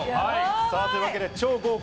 というわけで超豪華！